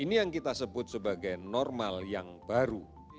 ini yang kita sebut sebagai normal yang baru